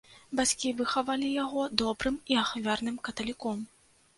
Бацькі выхавалі яго добрым і ахвярным каталіком.